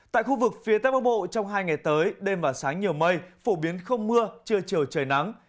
tại khu vực phía tây bắc bộ trong hai ngày tới đêm và sáng nhiều mây phổ biến không mưa trưa chiều trời nắng